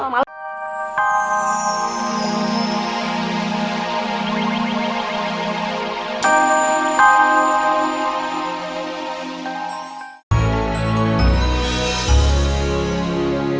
mami aku aja yang buka